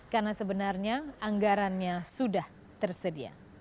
karena sebenarnya anggarannya sudah tersedia